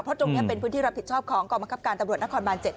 เพราะตรงนี้เป็นพื้นที่รับผิดชอบของกองบังคับการตำรวจนครบาน๗